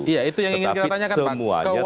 iya itu yang ingin kita tanyakan pak